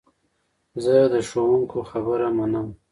زه د ښوونکو خبره منم.